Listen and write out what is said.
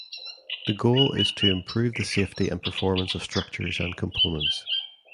The goal is to improve the safety and performance of structures and components.